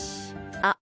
あっ。